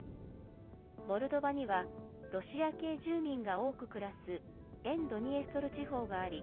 モルドバにはロシア系住民が多く暮らす沿ドニエストル地方があり